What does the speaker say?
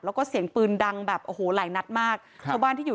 แล้วก็เสียงปืนดังแบบโอ้โหหลายนัดมากครับชาวบ้านที่อยู่